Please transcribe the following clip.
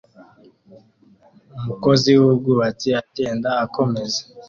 Umukozi wubwubatsi agenda akomeza